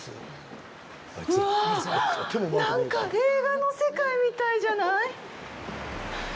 なんか映画の世界みたいじゃない？